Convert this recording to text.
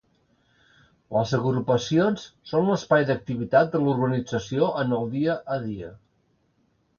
Les agrupacions són l'espai d'activitat de l'organització en el dia a dia.